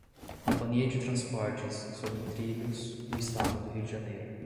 Companhia de Transportes Sobre Trilhos do Estado do Rio de Janeiro